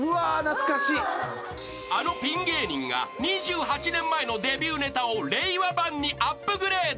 ［あのピン芸人が２８年前のデビューネタを令和版にアップグレード］